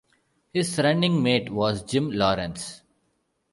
His running mate was Jim Lawrence.